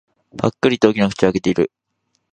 ぱっくりと大きな口を開けている。